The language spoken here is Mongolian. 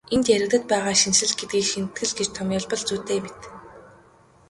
Энд яригдаад байгаа шинэчлэл гэдгийг шинэтгэл гэж томьёолбол зүйтэй мэт.